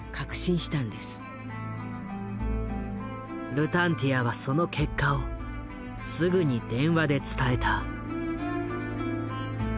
ルタンティアはその結果をすぐに電話で伝えた。